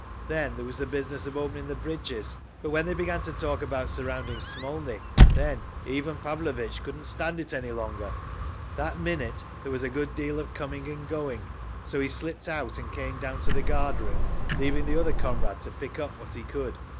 Then there was the business of opening the bridges. But when they began to talk about surrounding Smolny, then Ivan Pavlovitch couldn't stand it any longer. That minute there was a good deal of coming and going, so he slipped out and came down to the guard room, leaving the other comrade to pick up what he could.